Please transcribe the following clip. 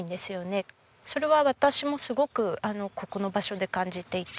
それは私もすごくここの場所で感じていて。